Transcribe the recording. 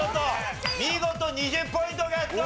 見事２０ポイントゲット！